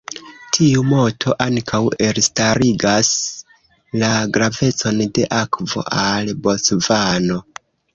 Tiu moto ankaŭ elstarigas la gravecon de akvo al Bocvano.